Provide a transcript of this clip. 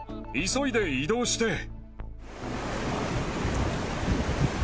急いで移動して。